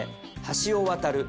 橋を渡る。